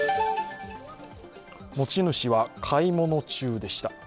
持ち主は買い物中でした。